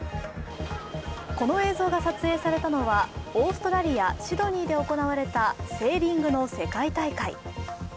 この映像が撮影されたのはオーストラリア・シドニーで行われたセーリングの世界大会。